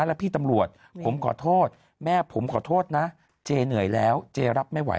แล้วพี่ตำรวจผมขอโทษแม่ผมขอโทษนะเจเหนื่อยแล้วเจรับไม่ไหว